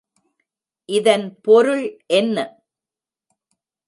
இதன் பொருள் என்ன?